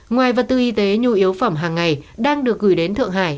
ngoài vật tư y tế nhu yếu phẩm hàng ngày đang được gửi đến thượng hải